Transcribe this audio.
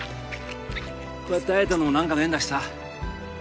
こうやって会えたのも何かの縁だしさ